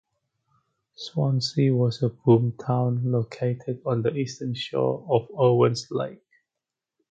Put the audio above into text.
Swansea was a boomtown located on the eastern shore of Owens Lake.